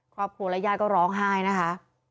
ความผลัยยายก็ร้องไห้นะคะ